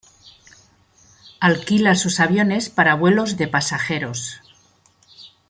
Alquila sus aviones para vuelos de pasajeros.